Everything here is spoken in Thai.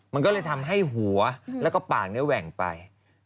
มันก็เลยทำให้หัวแล้วก็ปากแหว่งไป